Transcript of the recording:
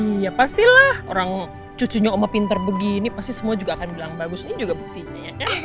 iya pastilah orang cucunya oma pinter begini pasti semua juga akan bilang bagus ini juga buktinya